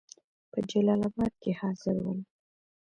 په جلال آباد کې حاضر ول.